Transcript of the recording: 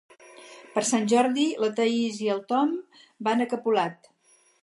Per Sant Jordi na Thaís i en Ton van a Capolat.